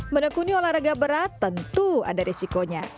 menekuni olahraga berat tentu ada risikonya